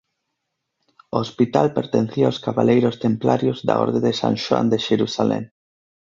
O Hospital pertencía aos Cabaleiros Templarios da orde de San Xoán de Xerusalén.